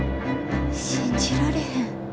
信じられへん。